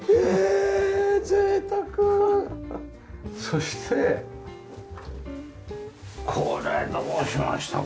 そしてこれどうしました？